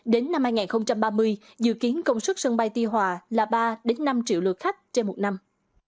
đến năm hai nghìn ba mươi dự kiến công suất sân bay tuy hòa là ba năm triệu lượt khách trên một năm